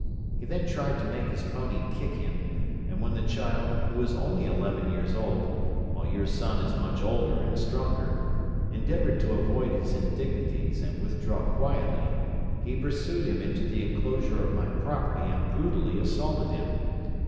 He then tried to make his pony kick him, and when the child, who is only eleven years old, while your son is much older and stronger, endeavoured to avoid his indignities and withdraw quietly, he pursued him into the enclosure of my property and brutally assaulted him.